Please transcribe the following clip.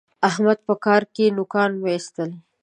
احمد په کار کې نوکان واېستل.